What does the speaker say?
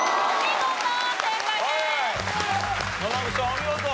お見事！